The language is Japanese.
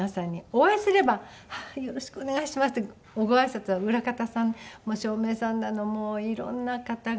お会いすれば「よろしくお願いします」ってごあいさつは裏方さん照明さんだのもういろんな方がね